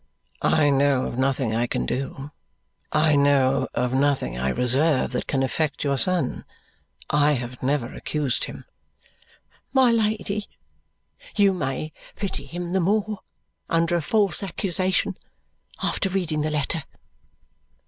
"I know of nothing I can do. I know of nothing I reserve that can affect your son. I have never accused him." "My Lady, you may pity him the more under a false accusation after reading the letter."